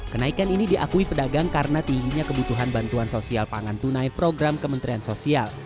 kenaikan ini diakui pedagang karena tingginya kebutuhan bantuan sosial pangan tunai program kementerian sosial